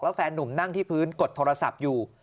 แฟนนุ่มนั่งที่พื้นกดโทรศัพท์อยู่